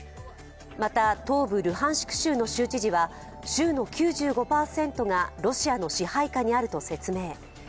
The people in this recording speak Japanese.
また、東部ルハンシク州の州知事は州の９５％がロシアの支配下にあると説明。